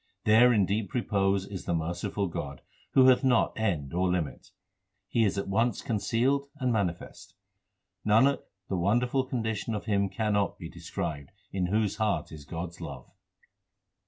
There in deep repose is the merciful God Who hath not end or limit. He is at once concealed and manifest. Nanak, the wonderful condition of him cannot be described In whose heart is God s love.